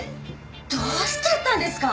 どうしちゃったんですか？